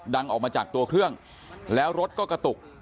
ออกมาจากตัวเครื่องแล้วรถก็กระตุก